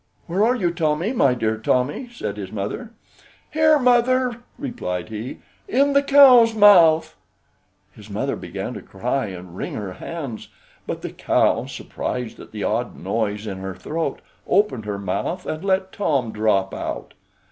"Where are you, Tommy, my dear Tommy?" said his mother. "Here, mother," replied he, "in the cow's mouth." His mother began to cry and wring her hands; but the cow, surprised at the odd noise in her throat, opened her mouth and let Tom drop out.